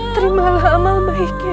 terimalah amal baiknya